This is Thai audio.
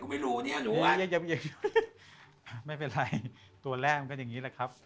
ไม่รู้เนี่ยหนูไม่เป็นไรตัวแรกมันเป็นอย่างนี้แหละครับ